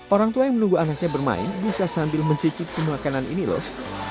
orang tua yang menunggu anaknya bermain bisa sambil mencicipi makanan ini loh